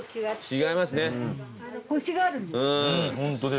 違います。